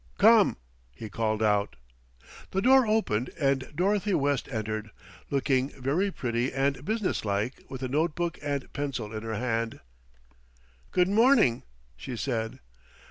"Come," he called out. The door opened and Dorothy West entered, looking very pretty and business like with a note book and pencil in her hand. "Good morning," she said.